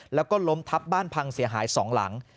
แล้วก็ล้มทับบ้านพังเสียหาย๒หลัง